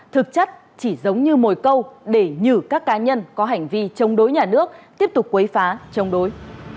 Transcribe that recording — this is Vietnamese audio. thực chất chỉ giống như mồi câu để nhử các cá nhân có hành vi chống đối nhà nước tiếp tục quấy phá chống đối